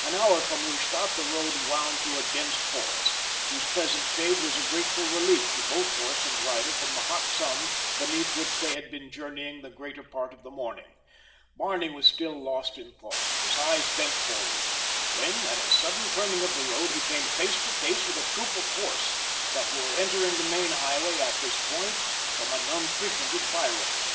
An hour from Lustadt the road wound through a dense forest, whose pleasant shade was a grateful relief to both horse and rider from the hot sun beneath which they had been journeying the greater part of the morning. Barney was still lost in thought, his eyes bent forward, when at a sudden turning of the road he came face to face with a troop of horse that were entering the main highway at this point from an unfrequented byroad.